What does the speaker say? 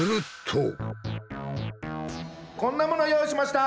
こんなものを用意しました。